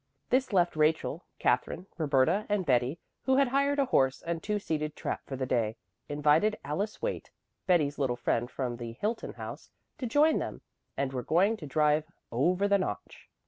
This left Rachel, Katherine, Roberta and Betty, who had hired a horse and two seated trap for the day, invited Alice Waite, Betty's little friend from the Hilton House, to join them, and were going to drive "over the notch."